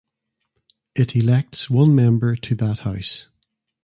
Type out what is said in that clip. It elects one member to that house.